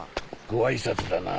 ご挨拶だな。